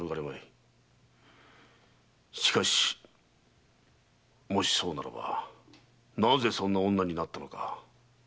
しかしもしそうならばなぜそんな女になったのか。